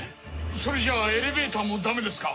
それじゃエレベーターもダメですか？